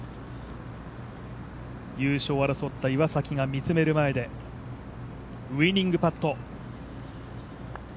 優勝を争った岩崎が見つめる前でウイニングパット。